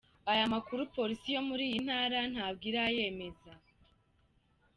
Aya makuru Polisi yo muri iyi Ntara ntabwo irayameza.